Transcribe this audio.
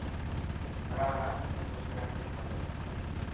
هر حال ۾ کوش رهڻ کپي.